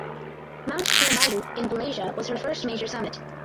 Mount Kinabalu in Malaysia was her first major summit.